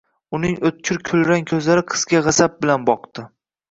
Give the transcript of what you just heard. Uning o`tkir kulrang ko`zlari qizga g`azab bilan boqdi